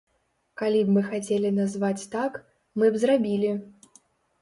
Калі б мы хацелі назваць так, мы б зрабілі.